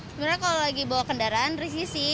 sebenarnya kalau lagi bawa kendaraan risih sih